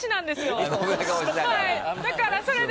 だからそれで。